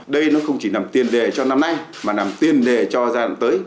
đây nó không chỉ nằm tiền đề cho năm nay mà nằm tiền đề cho gian tới